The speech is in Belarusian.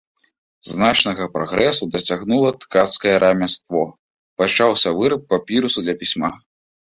Значнага прагрэсу дасягнула ткацкае рамяство, пачаўся выраб папірусу для пісьма.